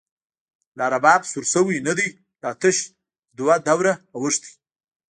لا رباب سور شوۍ ندۍ، لا تش دوه دوره اوښتۍ